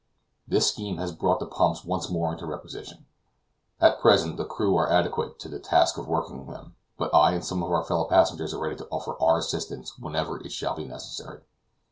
This scheme has brought the pumps once more into requisition. At present the crew are adequate to the task of working them, but I and some of our fellow passengers are ready to offer our assistance whenever it shall be necessary.